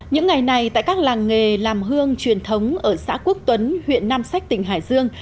những ngày này tại các làng nghề làm hương truyền thống ở xã quốc tuấn huyện nam sách tỉnh hải dương